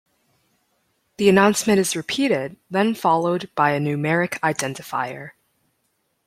The announcement is repeated, then followed by a numeric identifier.